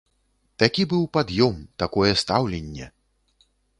Такі быў пад'ём, такое стаўленне.